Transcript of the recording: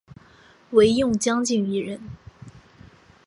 惟用将军一人。